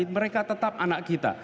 mereka tetap anak kita